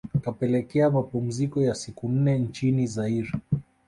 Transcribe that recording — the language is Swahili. kapelekea mapumziko ya siku nne nchini Zaire